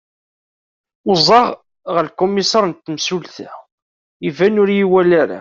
uẓaɣ ɣer ukumisar n temsulta iban ur iyi-iwali ara